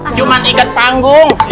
acak acakan apaan ustadz